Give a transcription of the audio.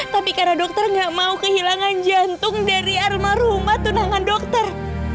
tapi karena dokter gak mau kehilangan jantung dari aroma rumah tunangan dokter